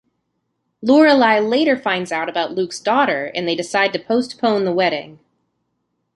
Lorelai later finds out about Luke's daughter and they decide to postpone the wedding.